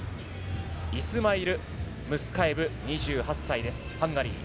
イスマイル・ムスカエブ２８歳です、ハンガリー。